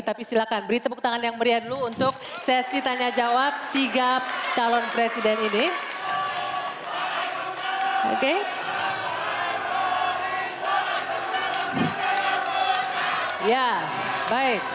tapi silahkan beri tepuk tangan yang meriah dulu untuk sesi tanya jawab tiga calon presiden ini